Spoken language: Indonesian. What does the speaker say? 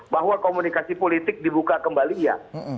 bahwa komunikasi politik dibuka kembali ya